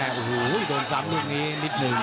โอ้โหโหโหโหโหโฮเดินซ้ำตรงนี้นิดหนึ่ง